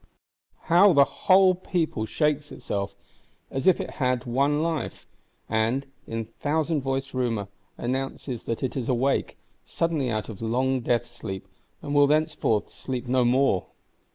How the whole People shakes itself, as if it had one life; and, in thousand voiced rumour, announces that it is awake, suddenly out of long death sleep, and will thenceforth sleep no more!